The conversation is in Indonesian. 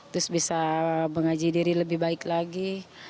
terus bisa mengaji diri lebih baik lagi